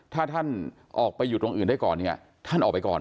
ถ้าท่านออกไปอยู่ตรงอื่นได้ก่อนเนี่ยท่านออกไปก่อน